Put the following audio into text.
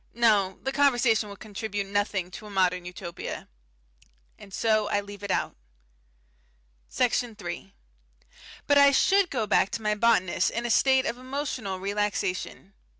No, the conversation would contribute nothing to a modern Utopia. And so I leave it out. Section 3 But I should go back to my botanist in a state of emotional relaxation.